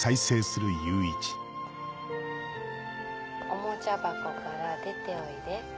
「おもちゃばこからでておいで」。